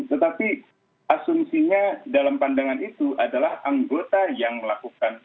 tetapi asumsinya dalam pandangan itu adalah anggota yang melakukan